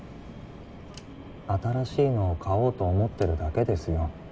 新しいのを買おうと思ってるだけですよ